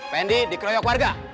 fendi dikeroyok warga